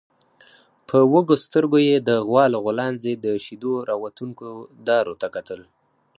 په وږو سترګويې د غوا له غولانځې د شيدو راوتونکو دارو ته کتل.